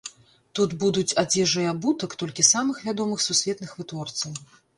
Тут будуць адзежа і абутак толькі самых вядомых сусветных вытворцаў.